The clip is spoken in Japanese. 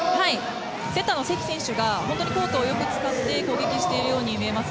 セッターの関選手がコートをよく使って攻撃しているように見えます。